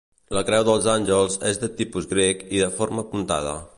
La Creu dels Àngels és de tipus grec i de forma puntada.